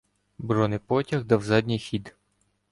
Бронепотяг дав задній хід.